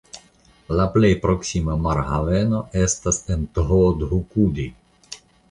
La plej proksima marhaveno estas en Thoothukudi.